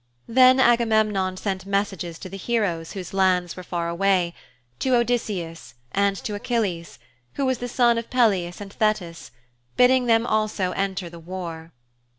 Then Agamemnon sent messages to the heroes whose lands were far away, to Odysseus, and to Achilles, who was the son of Peleus and Thetis, bidding them also enter the war.